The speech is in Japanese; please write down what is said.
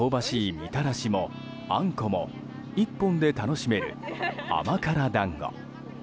みたらしもあんこも１本で楽しめる甘辛団子。